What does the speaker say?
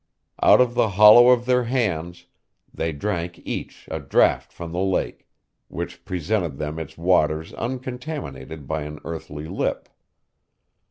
Out of the hollow of their hands, they drank each a draught from the lake, which presented them its waters uncontaminated by an earthly lip.